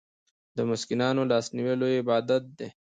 د مسکینانو لاسنیوی لوی عبادت دی.